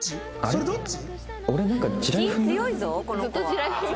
それどっち？